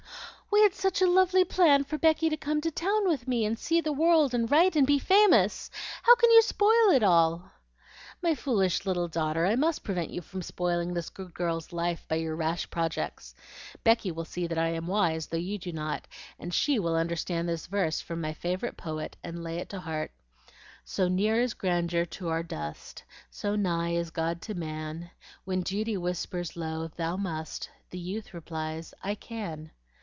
"We had such a lovely plan for Becky to come to town with me, and see the world, and write, and be famous. How can you spoil it all?" "My foolish little daughter, I must prevent you from spoiling this good girl's life by your rash projects. Becky will see that I am wise, though you do not, and SHE will understand this verse from my favorite poet, and lay it to heart: "So near is grandeur to our Dust, So nigh is God to man, When Duty whispers low, 'Thou must!' The youth replies, 'I can!'"